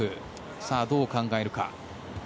さあ、どう考えるか。